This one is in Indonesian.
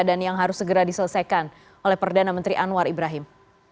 dan yang harus segera diselesaikan oleh perdana menteri anwar ibrahim